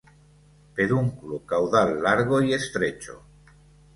Pedúnculo caudal largo y estrecho.